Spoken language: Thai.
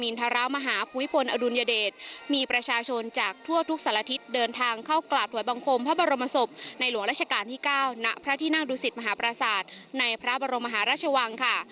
นั่งดูสิทธิ์มหาประสาทในพระบรมฮาราชวังค่ะ